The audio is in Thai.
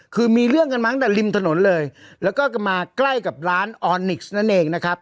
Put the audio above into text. คือมีเรื่องกันมาตั้งแต่ริมถนนเลยแล้วก็มาใกล้กับร้านออนิกซ์นั่นเองนะครับ